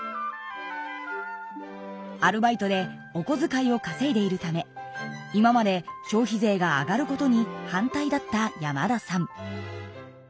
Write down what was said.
アルバイトでおこづかいをかせいでいるため今まで消費税が上がることに反対だった山田さん。